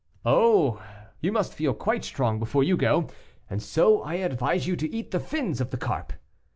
"Oh! you must feel quite strong before you go, and so I advise you to eat the fins of the carp."